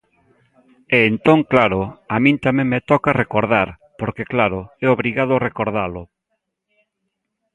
E entón, claro, a min tamén me toca recordar; porque, claro, é obrigado recordalo.